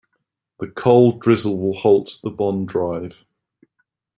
The cold drizzle will halt the bond drive.